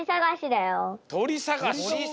とりさがし。